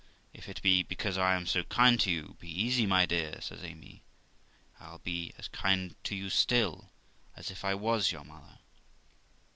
If it be because I am so kind to you, be easy, my dear', says Amy ; 'I'll be as kind to you still, as if I was your mother.'